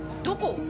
どこ？